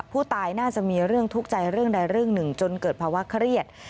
ผู้ตายน่าจะมีเรื่องทุกข์ใจเรื่องใดเรื่องหนึ่งจนเกิดภาวะเครียด